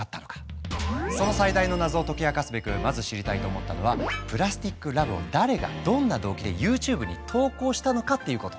その最大の謎を解き明かすべくまず知りたいと思ったのは「ＰＬＡＳＴＩＣＬＯＶＥ」を誰がどんな動機でＹｏｕＴｕｂｅに投稿したのかっていうこと。